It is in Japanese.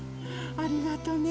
ありがとねうん。